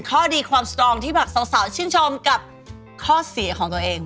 ข้อดีความสตรองที่แบบสาวชื่นชมกับข้อเสียของตัวเอง